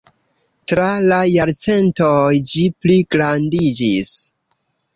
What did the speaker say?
Tra la jarcentoj ĝi pligrandiĝis.